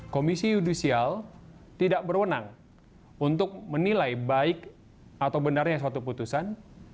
komisi yudisial tidak berwenang untuk menilai baik atau benarnya suatu putusan